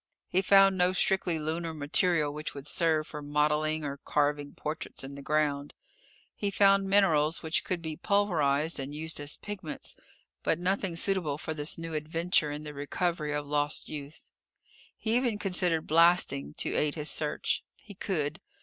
He found no strictly lunar material which would serve for modeling or carving portraits in the ground. He found minerals which could be pulverized and used as pigments, but nothing suitable for this new adventure in the recovery of lost youth. He even considered blasting, to aid his search. He could.